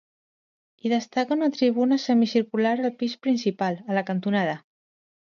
Hi destaca una tribuna semicircular al pis principal, a la cantonada.